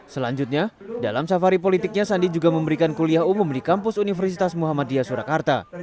selanjutnya dalam safari politiknya sandi juga memberikan kuliah umum di kampus universitas muhammadiyah surakarta